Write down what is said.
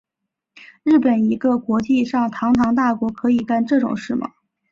日本一个国际上堂堂大国可以干这种事吗？